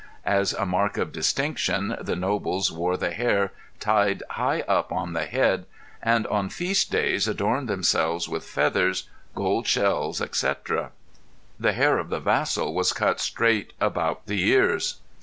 As a mark of distinction the nobles wore the hair tied high up on the head and on feast days adorned themselves with feathers, gold shells, etc. The hair of the vassal was cut straight about the ears.